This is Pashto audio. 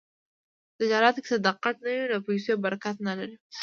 په تجارت کې که صداقت نه وي، نو پیسې برکت نه لري.